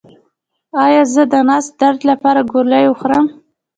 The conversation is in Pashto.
ایا زه د نس درد لپاره ګولۍ وخورم؟